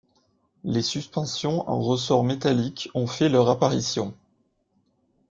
Les suspensions en ressorts métalliques ont fait leur apparition.